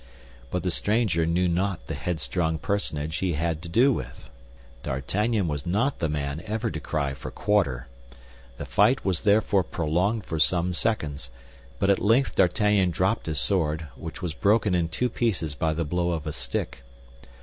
But the stranger knew not the headstrong personage he had to do with; D'Artagnan was not the man ever to cry for quarter. The fight was therefore prolonged for some seconds; but at length D'Artagnan dropped his sword, which was broken in two pieces by the blow of a stick.